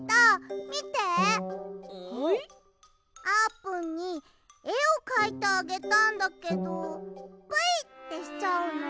あーぷんにえをかいてあげたんだけどプイってしちゃうの。